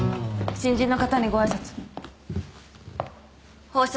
新人の方にご挨拶を。